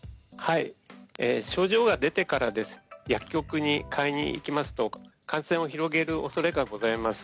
症状が出てから薬局に買いに行きますと感染を広げるおそれがございます。